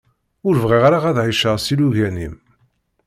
Ur bɣiɣ ara ad εiceɣ s ilugan-im